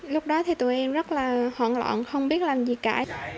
lúc đó thì tụi em rất là hoảng loạn không biết làm gì cả